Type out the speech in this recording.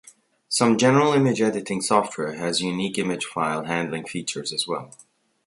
Some general image editing software has unique image file handling features as well.